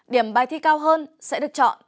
điểm bài thi cao hơn sẽ được chọn